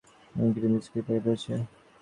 আর কোনো ক্রিম বিস্কুটের প্যাকেট রয়েছে?